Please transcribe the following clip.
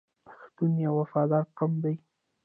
پښتون یو وفادار قوم دی.